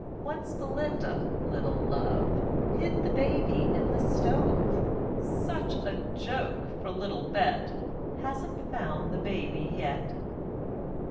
Once Belinda, little love, Hid the baby in the stove; Such a joke! for little Bet Hasn't found the baby yet.